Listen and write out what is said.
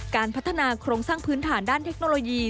การพัฒนาโครงสร้างพื้นฐานด้านเทคโนโลยี